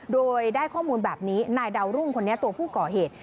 โดยได้ข้อมูลแบบนี้นายดาวรุ่งคนนี้ตัวผู้ก่อเหตุ